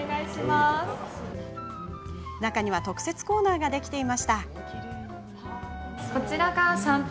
中には特設コーナーができていました。